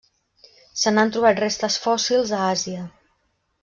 Se n'han trobat restes fòssils a Àsia.